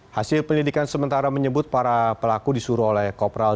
hasil penyelidikan sementara menyebut para pelaku disuruh oleh kopral